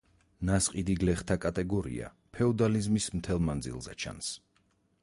ნასყიდი გლეხთა კატეგორია ფეოდალიზმის მთელ მანძილზე ჩანს.